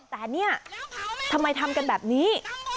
แต่เนี่ยทำไมทำกันแบบนี้